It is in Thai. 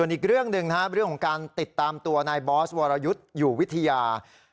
อีกเรื่องหนึ่งนะครับเรื่องของการติดตามตัวนายบอสวรยุทธ์อยู่วิทยา